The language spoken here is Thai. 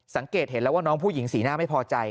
สังเกตเห็นแล้วว่าน้องผู้หญิงสีหน้าไม่พอใจ